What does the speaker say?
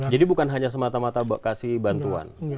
bukan hanya semata mata kasih bantuan